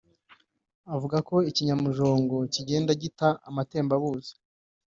avuga ko ikinyamujongo kigenda gita amatembabuzi